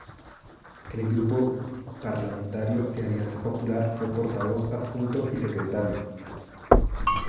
En el grupo parlamentario de Alianza Popular fue portavoz adjunto y secretario.